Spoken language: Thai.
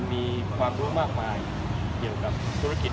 มีความรู้มากมายเกี่ยวกับธุรกิจ